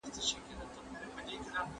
د استاد مشوره د هر سياسي شخص لپاره ګټوره ده.